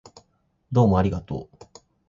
どうもありがとう